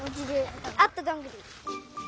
あったどんぐり。